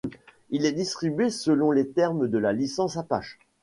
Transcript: Il est distribué selon les termes de la licence Apache.